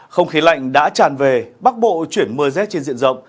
không khí lạnh đã tràn về bắc bộ chuyển mưa rét trên diện rộng